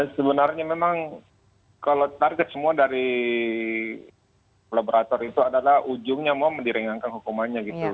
sebenarnya memang kalau target semua dari kolaborator itu adalah ujungnya mau diringankan hukumannya gitu